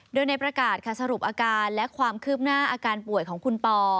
โดยในประกาศค่ะสรุปอาการและความคืบหน้าอาการป่วยของคุณปอ